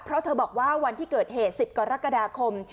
เพราะเธอบอกว่าวันที่เกิดเหตุ๑๐กรกฎาคม